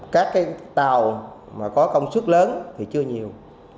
các cái tàu mà có công suất lớn thì chưa nhiều